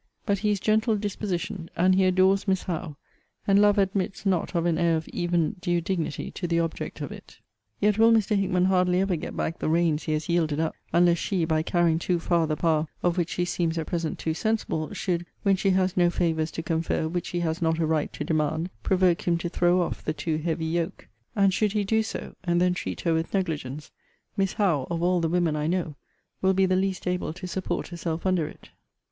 But he is gentle dispositioned, and he adores Miss Howe; and love admits not of an air of even due dignity to the object of it. Yet will Mr. Hickman hardly ever get back the reins he has yielded up; unless she, by carrying too far the power of which she seems at present too sensible, should, when she has no favours to confer which he has not a right to demand, provoke him to throw off the too heavy yoke. And should he do so, and then treat her with negligence, Miss Howe, of all the women I know, will be the least able to support herself under it.